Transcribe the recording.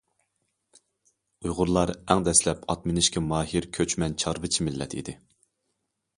ئۇيغۇرلار ئەڭ دەسلەپ ئات مىنىشكە ماھىر كۆچمەن چارۋىچى مىللەت ئىدى.